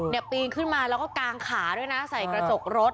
ปีนขึ้นมาแล้วก็กางขาด้วยนะใส่กระจกรถ